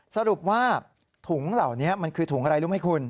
สรุปว่าถุงเหล่านี้มันคือถุงอะไรรู้ไหมคุณ